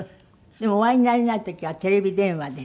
でもお会いになれない時はテレビ電話で？